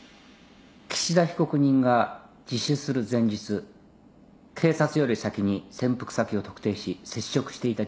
岸田被告人が自首する前日警察より先に潜伏先を特定し接触していた人物がいました。